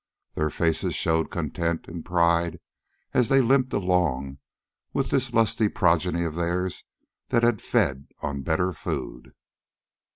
Their faces showed content and pride as they limped along with this lusty progeny of theirs that had fed on better food.